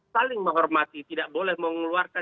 saling menghormati tidak boleh mengeluarkan